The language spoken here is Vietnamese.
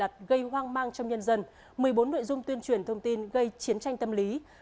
gây hoang mang trong nhân dân một mươi bốn nội dung tuyên truyền thông tin gây chiến tranh tâm lý